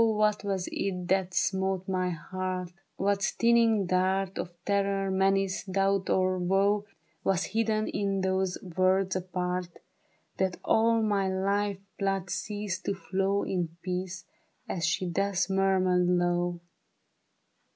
what was it that smote my heart ? Whjct stinging dart Of terror, menace, doubt or woe Was hidden in those words apart, That all my life blood ceased to flow In peace, as she thus murmured low